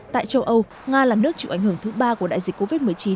tại châu âu nga là nước chịu ảnh hưởng thứ ba của đại dịch covid một mươi chín